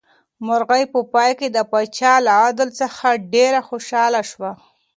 مرغۍ په پای کې د پاچا له عدل څخه ډېره خوشحاله شوه.